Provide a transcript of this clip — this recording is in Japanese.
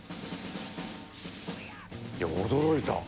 いや驚いた。